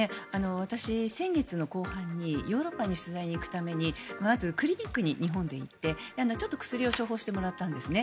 私、先月の後半にヨーロッパに取材に行くためにまず、クリニックに日本で行って薬を処方してもらったんですね。